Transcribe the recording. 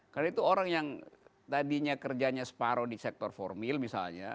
karena itu orang yang tadinya kerjanya separoh di sektor formil misalnya